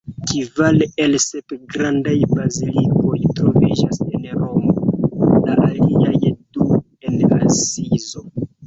Kvar el la sep grandaj bazilikoj troviĝas en Romo, la aliaj du en Asizo.